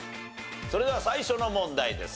それでは最初の問題です。